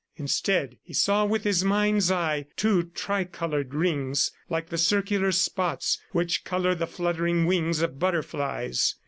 Instead he saw with his mind's eye, two tricolored rings like the circular spots which color the fluttering wings of butterflies.